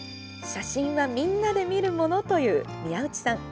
写真はみんなで見るものという宮内さん。